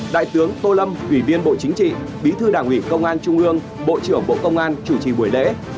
đại tướng tô lâm ủy viên bộ chính trị bí thư đảng ủy công an trung ương bộ trưởng bộ công an chủ trì buổi lễ